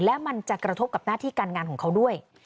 และมันจะกระทบกับหน้าที่การงานของเขาด้วย